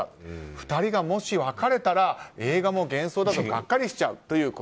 ２人がもし別れたら映画も幻想だとがっかりしちゃうという声。